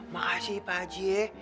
makasih pak ji